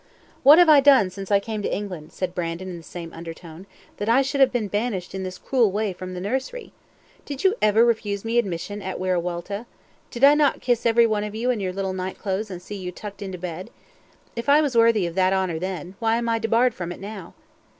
"What have I done since I came to England," said Brandon in the same undertone, "that I should have been banished in this cruel way from the nursery? Did you ever refuse me admission at Wiriwilta did not I kiss every one of you in your little nightclothes, and see you tucked into bed? If I was worthy of that honour then, why am I debarred from it now?"